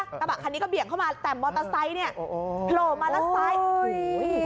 กระบะคันนี้ก็เบี่ยงเข้ามาแต่มอเตอร์ไซค์เนี้ยโหโหโหโห